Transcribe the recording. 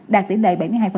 đạt tỉ lệ bảy mươi hai